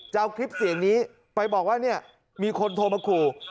จะเอาคลิปเสียงนี้ไปบอกว่ามีคนโทรมาคูล